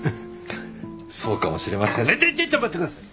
そうかもしれませんねってちょっちょっと待ってください！